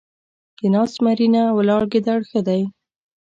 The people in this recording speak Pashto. د ناست زمري نه ، ولاړ ګيدړ ښه دی.